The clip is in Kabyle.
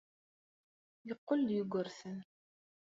Yeqqel-d Yugurten.